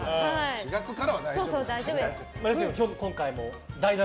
４月からは大丈夫です。